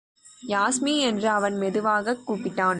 யாஸ்மி என்று அவன் மெதுவாகக் கூப்பிட்டான்.